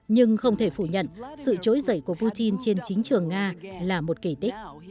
nhưng không thể phủ nhận sự trối dậy của putin trên chính trường nga là một kể tích